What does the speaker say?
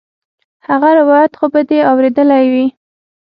هغه روايت خو به دې اورېدلى وي.